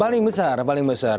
paling besar paling besar